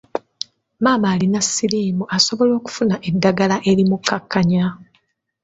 Maama alina siriimu asobola okufuna eddagala erimukkakkanya.